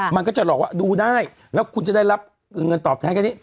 มันก็จะหลอกว่าดูได้แล้วคุณจะได้รับเงินตอบแทนแค่นี้